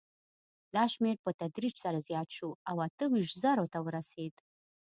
دا شمېر په تدریج سره زیات شو او اته ویشت زرو ته ورسېد.